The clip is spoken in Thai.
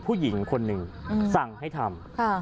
ผู้หญิงคนหนึ่งสั่งให้ทำ